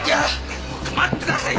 待ってください！